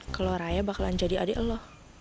kalo raya bakalan jadi adik lo